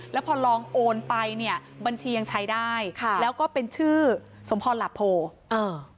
แล้วพอลองโอนไปเนี่ยบัญชียังใช้ได้ค่ะแล้วก็เป็นชื่อสมพรหลับโพอ่า